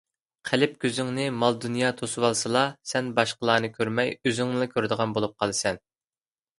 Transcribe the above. قەلب كۆزۈڭنى مال-دۇنيا توسۇۋالسىلا، سەن باشقىلارنى كۆرمەي ئۆزۈڭنىلا كۆرىدىغان بولۇپ قالىسەن.